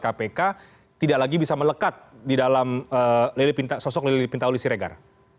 mas kpk tidak lagi bisa melekat di dalam sosok lelipinta uli siregar